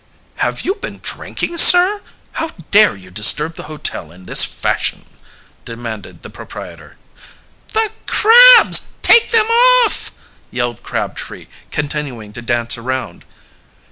"Have you been drinking, sir? How dare you disturb the hotel in this fashion?" demanded the proprietor. "The crabs! Take them off!" yelled Crabtree, continuing to dance around.